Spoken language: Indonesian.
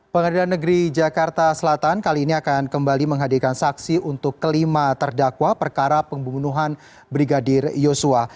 pengadilan negeri jakarta selatan kali ini akan kembali menghadirkan saksi untuk kelima terdakwa perkara pembunuhan brigadir yosua